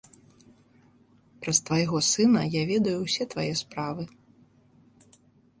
Праз твайго сына я ведаю ўсе твае справы.